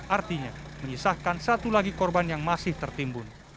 artinya menyisahkan satu lagi korban yang masih tertimbun